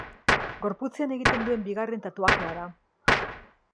Gorputzean egiten duen bigarren tatuajea da.